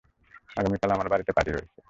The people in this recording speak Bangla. আগামীকাল আমার বাড়িতে পার্টি রয়েছে।